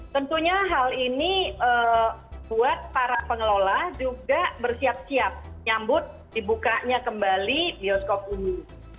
tentunya hal ini buat para pengelola juga bersiap siap nyambut dibukanya kembali bioskop ini